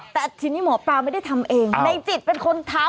แต่ทีนี้หมอปลาไม่ได้ทำเองในจิตเป็นคนทำ